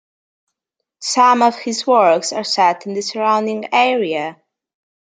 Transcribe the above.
Some of his works are set in the surrounding area.